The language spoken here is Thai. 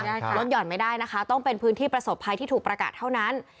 ลดหย่อนไม่ได้นะคะต้องเป็นพื้นที่ประสบภัยที่ถูกประกาศเท่านั้น